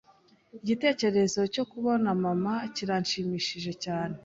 Igitekerezo cyo kubona mama kiranshimishije cyane.